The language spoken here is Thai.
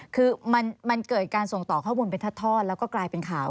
คือมันเกิดการส่งต่อข้อมูลไปทอดแล้วก็กลายเป็นข่าว